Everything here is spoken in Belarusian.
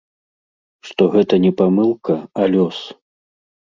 Што гэта не памылка, а лёс.